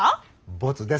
ボツです。